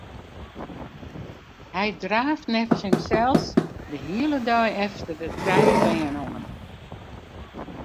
Hy draaft neffens himsels de hiele dei efter de trije bern oan.